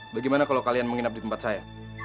bagaimana kalau kalian menginap di tempat saya